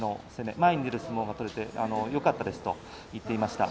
前に出る相撲が取れてよかったですと言っていました。